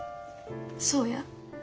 そうや。